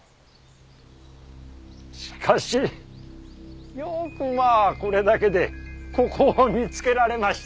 しかしよくまあこれだけでここを見つけられました。